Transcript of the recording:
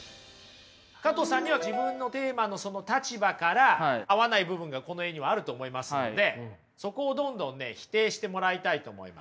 加藤さんには自分のテーマのその立場から合わない部分がこの絵にはあると思いますのでそこをどんどんね否定してもらいたいと思います。